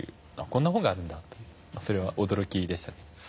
こんな本があるんだというそれは驚きでしたね。